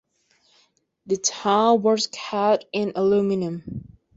The tower was clad in aluminium.